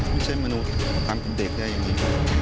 มนุษย์ทำเป็นเด็กได้อย่างนี้